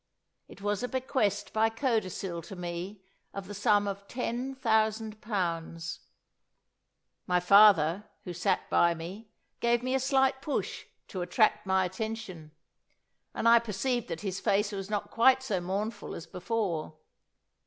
It was a bequest by codicil to me, of the sum of ten thousand pounds. My father, who sat by me, gave me a slight push, to attract my attention; and I perceived that his face was not quite so mournful as before.